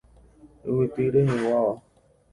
Yvyty reheguáva.